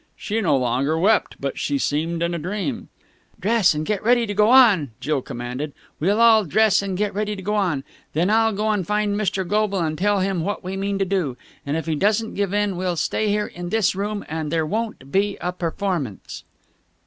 She no longer wept, but she seemed in a dream. "Dress and get ready to go on," Jill commanded. "We'll all dress and get ready to go on. Then I'll go and find Mr. Goble and tell him what we mean to do. And, if he doesn't give in, we'll stay here in this room, and there won't be a performance!"